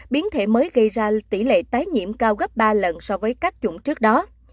biến thể mới gây ra tỷ lệ tái nhiễm cao gấp ba lần so với các chủng trước đó